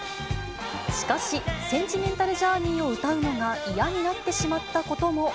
しかし、センチメンタル・ジャーニーを歌うのが嫌になってしまったことも。